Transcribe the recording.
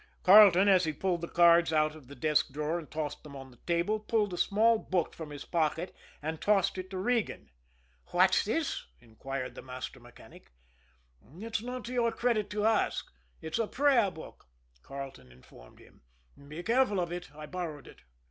Carleton, as he pulled the cards out of the desk drawer and tossed them on the table, pulled a small book from his pocket and tossed it to Regan. "What's this?" inquired the master mechanic. "It's not to your credit to ask it's a prayer book," Carleton informed him. "Be careful of it I borrowed it."